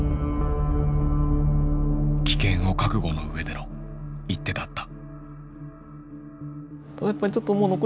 危険を覚悟の上での一手だった。